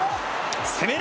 攻める。